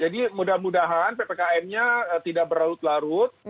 jadi mudah mudahan ppkm nya tidak berlarut larut